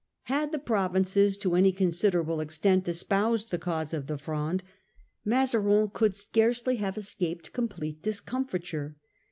Had the provinces to any considerable extent espoused the cause of the Fronde, Mazarin could scarcely have escaped complete discomfiture.